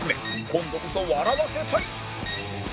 今度こそ笑わせたい